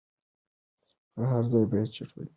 پر هر ځای چي ټولۍ وینی د پوهانو